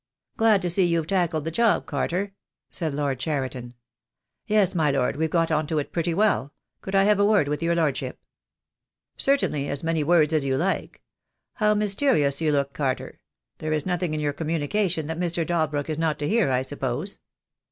"Glad to see you've tackled the job, Carter," said Lord Cheriton. "Yes, my lord, we've got on to it pretty well. Could I have a word with your lordship?" "Certainly, as many words as you like. How mys terious you look, Carter! There is nothing in your com munication that Mr. Dalbrook is not to hear, I suppose?"